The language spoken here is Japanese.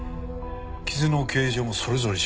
傷の形状もそれぞれ違う。